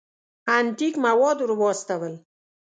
انتیک مواد ور واستول.